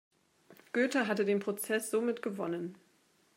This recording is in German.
Goethe hatte den Prozess somit gewonnen.